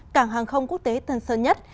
cảng hàng không quốc tế tân sơn nhất